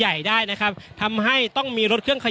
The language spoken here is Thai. อย่างที่บอกไปว่าเรายังยึดในเรื่องของข้อ